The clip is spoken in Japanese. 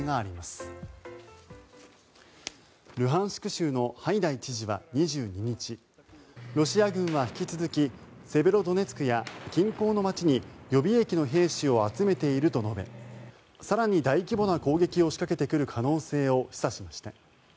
州のハイダイ知事は２２日ロシア軍は引き続きセベロドネツクや近郊の街に予備役の兵士を集めていると述べ更に大規模な攻撃を仕掛けてくる可能性を示唆しました。